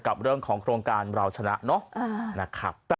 กับเรื่องของโครงการเราชนะเนาะนะครับ